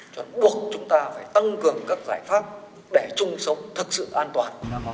cho nên buộc chúng ta phải tăng cường các giải pháp để chung sống thực sự an toàn